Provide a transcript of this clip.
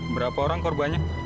berapa orang korbannya